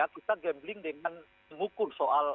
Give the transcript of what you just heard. kita gambling dengan mengukur soal